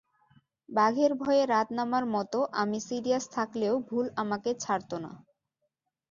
বাঘের ভয়ে রাত নামার মতো আমি সিরিয়াস থাকলেও ভুল আমাকে ছাড়তো না।